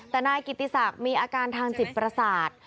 แต่นายกิติศักดิ์มีอาการทางจิตประสาท